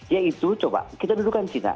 yaitu coba kita dudukan di china